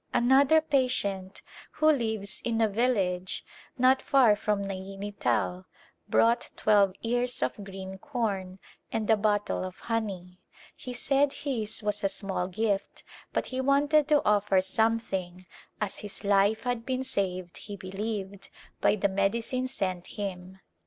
Another patient who lives in a village not far from Naini Tal brought twelve ears of green corn A Gli7npse of hidia and a bottle of honey. He said his was a small gift but he wanted to offer something, as his life had been saved, he believed, by the medicine sent him.